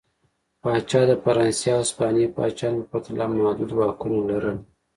پاچا د فرانسې او هسپانیې پاچاهانو په پرتله محدود واکونه لرل.